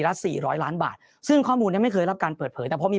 ละ๔๐๐ล้านบาทซึ่งข้อมูลไม่เคยรับการเปิดเผยแต่พอมี